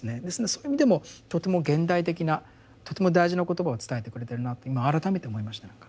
ですんでそういう意味でもとても現代的なとても大事な言葉を伝えてくれてるなと今改めて思いました。